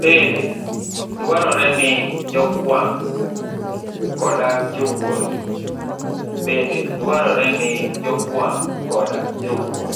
Bende dwarore ni jokwang' koda jowuoth